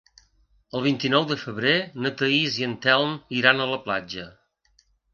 El vint-i-nou de febrer na Thaís i en Telm iran a la platja.